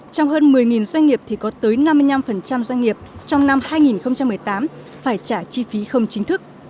trong hơn một mươi doanh nghiệp thì có tới năm mươi năm doanh nghiệp trong năm hai nghìn một mươi tám phải trả chi phí không chính thức